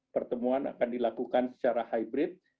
pertemuan akan dilakukan secara hybrid